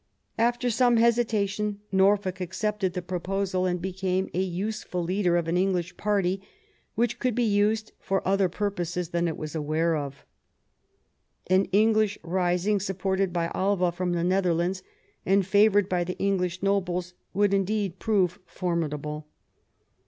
After some hesitation Norfolk accepted the proposal, arid became a useful leader of an English party which could be used for other purposes than it was aware of. An English rising, supported by Alva from the Netherlands, and favoured by the English nobles, would indeed prove formidable.